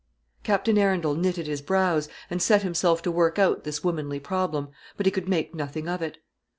Captain Arundel knitted his brows, and set himself to work out this womanly problem, but he could make nothing of it.